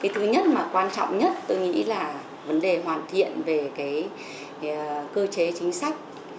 thứ nhất mà quan trọng nhất tôi nghĩ là vấn đề hoàn thiện về cơ chế chính sách